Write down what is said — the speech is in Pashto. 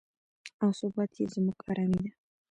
او ثبات یې زموږ ارامي ده.